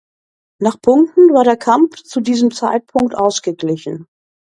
Nach Punkten war der Kampf zu diesem Zeitpunkt ausgeglichen.